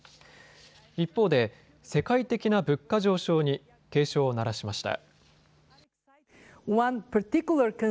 一方で世界的な物価上昇に警鐘を鳴らしました。